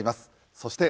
そして。